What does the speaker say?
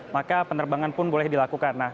maka penerbangan pun boleh dilakukan